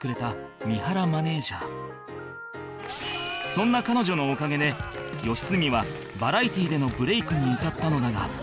そんな彼女のおかげで良純はバラエティでのブレイクに至ったのだが